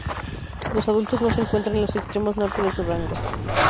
Los adultos no se encuentran en los extremos norte de su rango.